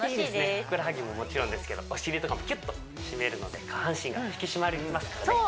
ふくらはぎももちろんですけどお尻とかもキュッと締めるので下半身が引き締まりますからねそう！